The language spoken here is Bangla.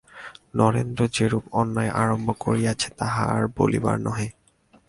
নরেন্দ্র যেরূপ অন্যায় আরম্ভ করিয়াছে তাহা আর বলিবার নহে।